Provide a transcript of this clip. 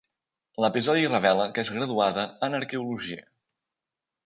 L'episodi revela que és graduada en Arqueologia.